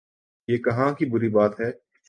یہ کہاں کی بری بات ہے؟